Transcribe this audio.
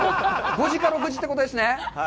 ５時か６時ってことですね？